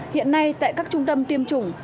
hiện nay tại các trung tâm tiêm chủng